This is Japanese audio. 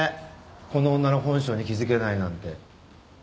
この女の本性に気づけないなんて。